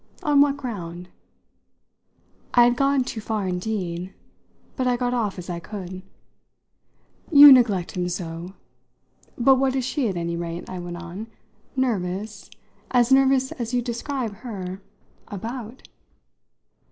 On what ground?" I had gone too far indeed; but I got off as I could. "You neglect him so! But what is she, at any rate," I went on, "nervous as nervous as you describe her about?"